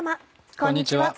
こんにちは。